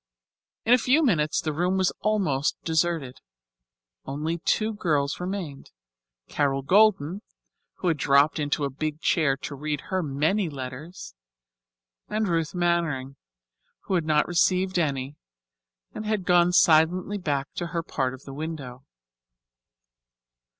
In a few minutes the room was almost deserted. Only two girls remained: Carol Golden, who had dropped into a big chair to read her many letters; and Ruth Mannering, who had not received any and had gone silently back to her part of the window.